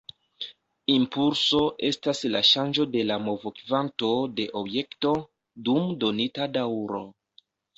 Impulso estas la ŝanĝo de la movokvanto de objekto dum donita daŭro.